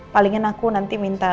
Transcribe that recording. palingan aku nanti minta